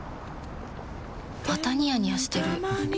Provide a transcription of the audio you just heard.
またニヤニヤしてるふふ。